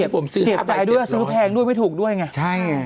เสียใจด้วยซื้อแพงด้วยไม่ถูกด้วยไงใช่ไง